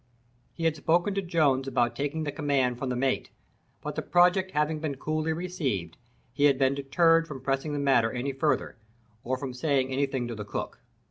He had spoken to Jones about taking the command from the mate; but the project having been coolly received, he had been deterred from pressing the matter any further, or from saying any thing to the cook.